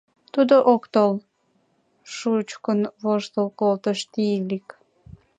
— Тудо ок тол! — шучкын воштыл колтыш Тиилик.